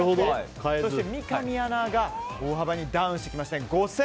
そして三上アナが大幅にダウンしてきましたね。